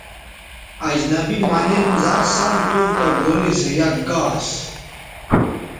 اجنبی مہ نِن زر سَم تھو کہ گورئ سو یک گاس